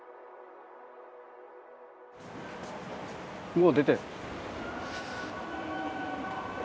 もう出てる。